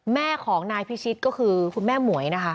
แม่ของนายพิชิตก็คือคุณแม่หมวยนะคะ